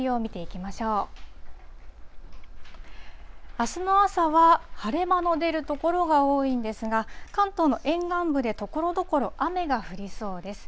あすの朝は晴れ間の出る所が多いですが関東の沿岸部でところどころ雨が降りそうです。